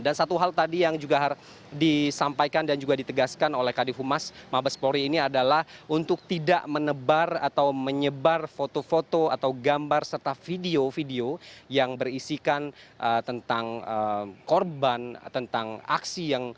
dan satu hal tadi yang juga disampaikan dan juga ditegaskan oleh kadif umas mabes polri ini adalah untuk tidak menebar atau menyebar foto foto atau gambar serta video video yang berisikan tentang korban